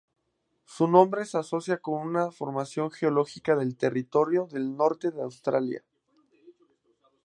Su nombre se asocia con una formación geológica del Territorio del Norte, Australia.